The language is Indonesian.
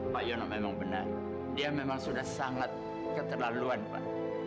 pak yono memang benar dia memang sudah sangat keterlaluan pak